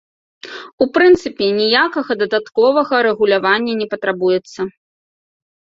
У прынцыпе ніякага дадатковага рэгулявання не патрабуецца.